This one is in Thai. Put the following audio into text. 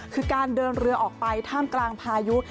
คือการเดินเรือออกไปท่ามกลางพายุ